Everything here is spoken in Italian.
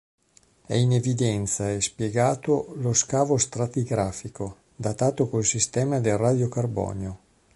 È in evidenza, e spiegato, lo scavo stratigrafico, datato col sistema del radio carbonio.